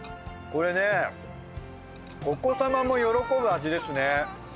これねお子様も喜ぶ味ですね。